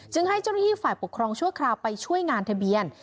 ให้เจ้าหน้าที่ฝ่ายปกครองชั่วคราวไปช่วยงานทะเบียน